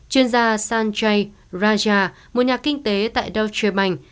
chuyên gia sanjay raja một nhà kinh tế tại deutsche bank